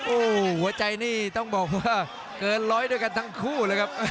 โอ้โหหัวใจนี่ต้องบอกว่าเกินร้อยด้วยกันทั้งคู่เลยครับ